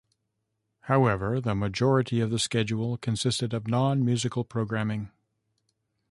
However, the majority of the schedule consisted of non-musical programming.